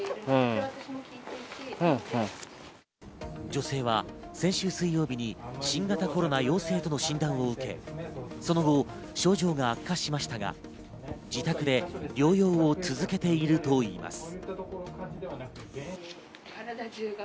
女性は先週水曜日に新型コロナ陽性との診断を受け、その後、症状が悪化しましたが、自宅で療養を続けているといいます。